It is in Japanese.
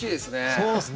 そうですね。